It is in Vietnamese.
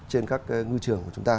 trên các ngư trường của chúng ta